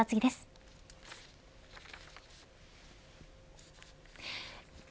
では次です。